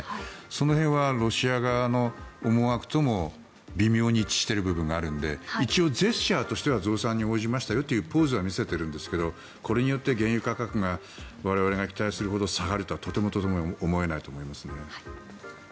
その辺はロシア側の思惑とも微妙に一致している部分があるので一応、ジェスチャーとしては増産に応じましたよというポーズは見せているんですがこれによって原油価格が我々が期待するほど下がるとはとても思えないですね。